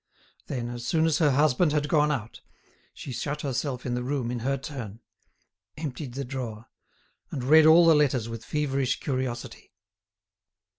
Then, as soon as her husband had gone out, she shut herself in the room in her turn, emptied the drawer, and read all the letters with feverish curiosity.